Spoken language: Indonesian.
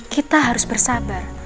kita harus bersabar